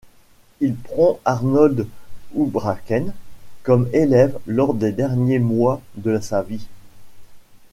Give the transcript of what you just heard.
Il prend Arnold Houbraken comme élève lors des derniers mois de sa vie.